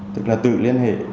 tức là tự liên hệ